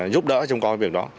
giúp đỡ trong coi việc đó